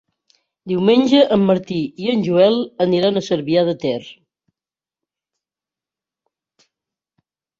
Diumenge en Martí i en Joel aniran a Cervià de Ter.